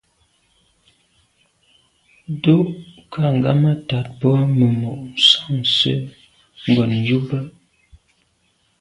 Ndù kà ghammatat boa memo’ nsan se’ ngom yube.